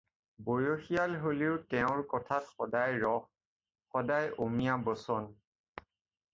বয়সীয়াল হ'লেও তেওঁৰ কথাত সদায় ৰস, সদায় অমিয়া বচন।